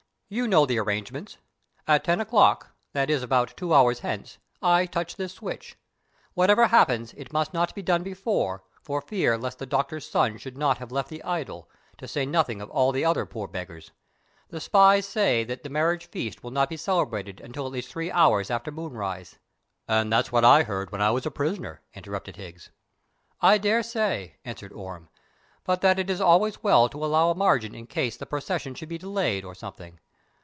"You know the arrangements. At ten o'clock—that is about two hours hence—I touch this switch. Whatever happens it must not be done before, for fear lest the Doctor's son should not have left the idol, to say nothing of all the other poor beggars. The spies say that the marriage feast will not be celebrated until at least three hours after moonrise." "And that's what I heard when I was a prisoner," interrupted Higgs. "I daresay," answered Orme; "but it is always well to allow a margin in case the procession should be delayed, or something.